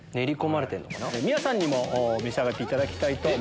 皆さんにも召し上がっていただきます。